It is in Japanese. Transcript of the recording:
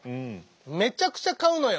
めちゃくちゃ買うのよ。